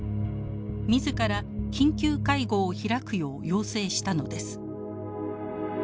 自ら緊急会合を開くよう要請したのです。